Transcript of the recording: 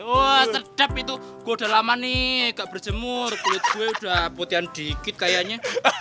wah sedap itu gua udah lama nih gak berjemur kulit gua udah putih dikit kayaknya